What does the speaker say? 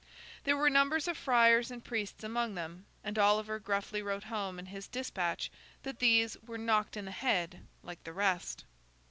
There were numbers of friars and priests among them, and Oliver gruffly wrote home in his despatch that these were 'knocked on the head' like the rest.